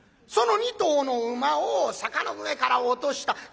その２頭の馬を坂の上から落とした。